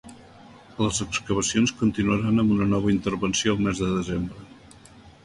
Les excavacions continuaran amb una nova intervenció el mes de desembre.